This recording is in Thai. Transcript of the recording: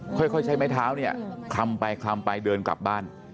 ค่อยใช้ไม้เท้าเนี่ยคลำไปคลำไปเดินกลับบ้าน